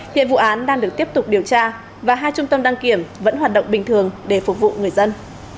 hiện vụ án đang được tiếp tục điều tra và hai trung tâm đăng kiểm vẫn hoạt động bình thường để phục vụ người dân